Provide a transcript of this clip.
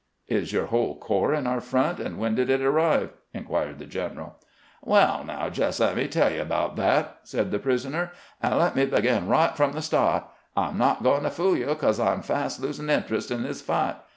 "Is your whole corps in our front, and when did it arrive 1 " inquired the general. " Well, now, jes' let me tell you about that," said the prisoner ;" and let me begin right from the sta't. I 'm not goin' to fool you, 'cause I 'm fast losin' interest in this fight.